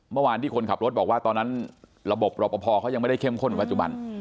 เมื่อวานที่คนขับรถบอกว่าตอนนั้นระบบรอปภเขายังไม่ได้เข้มข้นเหมือนปัจจุบัน